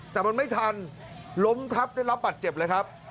แต่มันไม่ทันล้มทับได้รับบัตรเจ็บเลยครับ